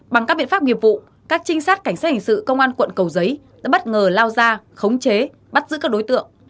bằng các biện pháp nghiệp vụ các trinh sát cảnh sát hình sự công an quận cầu giấy đã bất ngờ lao ra khống chế bắt giữ các đối tượng